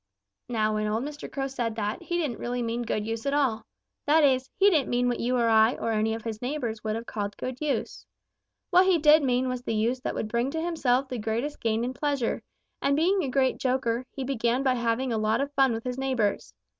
"Now when old Mr. Crow said that, he didn't really mean good use at all. That is, he didn't mean what you or I or any of his neighbors would have called good use. What he did mean was the use that would bring to himself the greatest gain in pleasure, and being a great joker, he began by having a lot of fun with his neighbors.